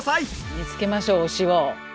見つけましょう推しを！